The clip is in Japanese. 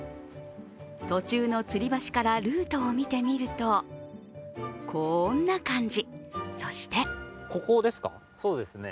途中の吊り橋からルートを見てみると、こんな感じ。